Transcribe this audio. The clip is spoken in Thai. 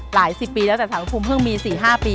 หลายสิบปีแล้วแต่ศาลพระภูมิเพิ่งมีสี่ห้าปี